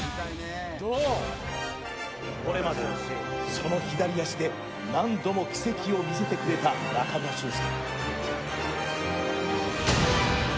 これまで、その左足で何度も奇跡を見せてくれた中村俊輔。